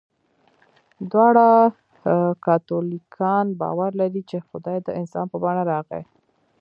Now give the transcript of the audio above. دواړه کاتولیکان باور لري، چې خدای د انسان په بڼه راغی.